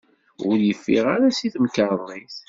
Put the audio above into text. Ur yeffiɣ ara seg temkarḍit.